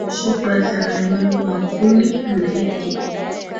shukrani sana emanuel makundi muziki